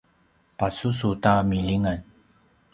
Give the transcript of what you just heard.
pasusu ta milingan